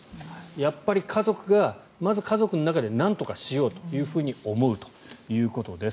やっぱり家族が、まず家族の中でなんとかしようと思うということです。